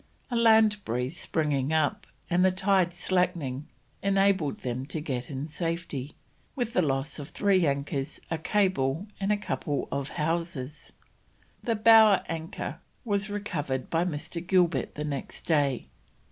A land breeze springing up and the tide slackening enabled them to get in safely, with the loss of three anchors, a cable, and a couple of hawsers; the bower anchor was recovered by Mr. Gilbert the next day.